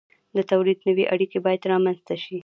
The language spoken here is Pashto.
د تولید نوې اړیکې باید رامنځته شي.